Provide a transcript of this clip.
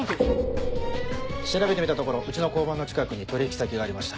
調べてみたところうちの交番の近くに取引先がありました。